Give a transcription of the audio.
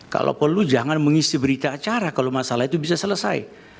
kalau perlu jangan mengisi berita acara kalau masalah itu bisa selesai